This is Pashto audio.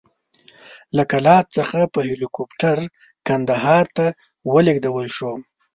له کلات څخه په هلیکوپټر کندهار ته ولېږدول شوم.